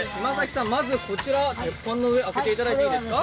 まずこちら、鉄板の上、開けていただいていいですか？